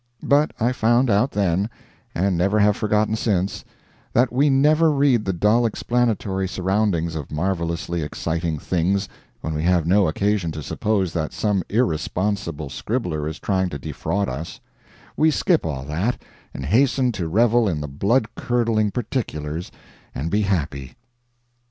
But I found out then, and never have forgotten since, that we never read the dull explanatory surroundings of marvelously exciting things when we have no occasion to suppose that some irresponsible scribbler is trying to defraud us; we skip all that, and hasten to revel in the blood curdling particulars and be happy.